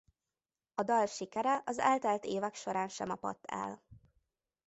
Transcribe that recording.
A dal sikere az eltelt évek során sem apadt el.